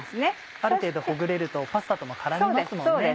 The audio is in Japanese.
ある程度ほぐれるとパスタとも絡みますもんね。